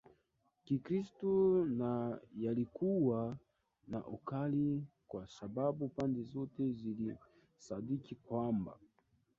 Kikristo na yalikuwa na ukali kwa sababu pande zote zilisadiki kwamba